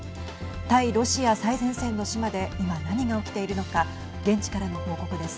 対ロシア最前線の島で今何が起きているのか現地からの報告です。